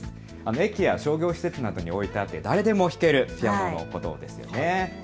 駅や商業施設などに置いてある誰でも弾けるピアノのことです。